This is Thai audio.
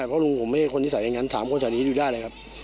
เพราะลุงผมไม่ใช่คนนิสัยอย่างนั้นถามคนแถวนี้อยู่ได้เลยครับ